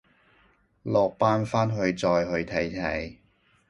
落班翻去再去睇睇